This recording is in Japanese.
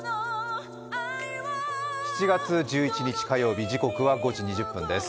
７月１１日火曜日、時刻は５時２０分です。